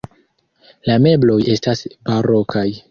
La mebloj estas barokaj.